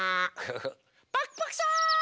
パクパクさん！